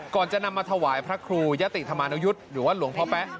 ก่อนจะนำมาถวายพระครูยะติธรรมานุยุทธ์หรือว่าหลวงพ่อแป๊ะ